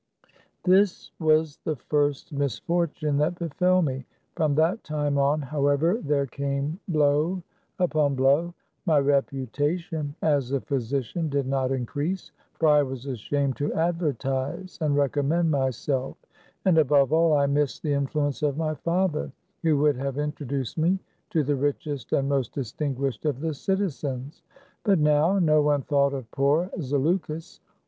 This was the first misfortuue that befell me. From that time on, however, there came blow upon blow. My reputation as a physician did not increase. For I was ashamed to advertise and recommend myself, and, above all, I missed the influence of my father, who would have in troduced me to the richest and most distinguished of the citizens ; but now, no one thought of poor Zaleukos.